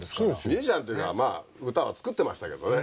ミュージシャンっていうかまあ歌は作ってましたけどね。